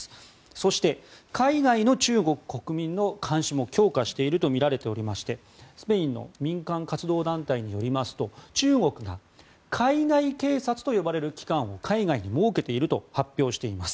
そして、海外の中国国民の監視も強化しているとみられていましてスペインの民間活動団体によりますと中国が海外警察と呼ばれる機関を海外に設けていると発表しています。